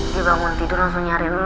dia bangun tidur dan langsung mencari kamu